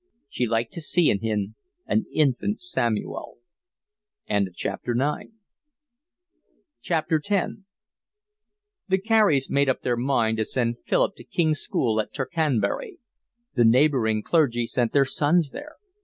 She liked to see in him an infant Samuel. X The Careys made up their minds to send Philip to King's School at Tercanbury. The neighbouring clergy sent their sons there.